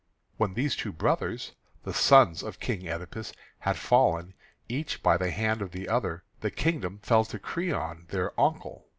When these two brothers, the sons of King Oedipus, had fallen each by the hand of the other, the kingdom fell to Creon their uncle.